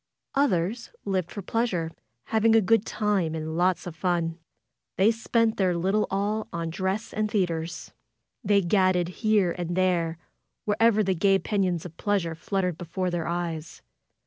Others lived for pleasure, having a good time and lots of fun. They spent their FAITH 223 little all on dress and theaters. They gadded here and there, wherever the gay pennons of pleasure flut tered before their eyes.